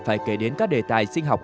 phải kể đến các đề tài sinh học